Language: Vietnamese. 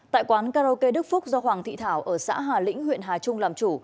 tại quán karaoke đức phúc do hoàng thị thảo ở xã hà lĩnh huyện hà trung làm chủ